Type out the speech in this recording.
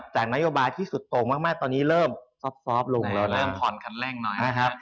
จากนโยบายที่สุดตรงมากตอนนี้เริ่มซอฟลงแล้วนะครับ